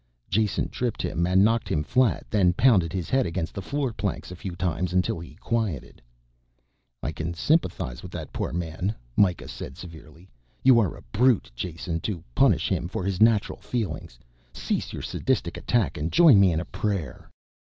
Jason tripped him and knocked him flat, then pounded his head against the floor planks a few times until he quieted. "I can sympathize with that poor man," Mikah said severely. "You are a brute, Jason, to punish him for his natural feelings. Cease your sadistic attack and join me in a prayer."